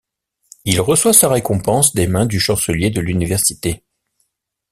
Il reçoit sa récompense des mains du chancelier de l'université.